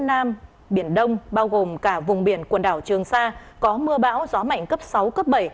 nam biển đông bao gồm cả vùng biển quần đảo trường sa có mưa bão gió mạnh cấp sáu cấp bảy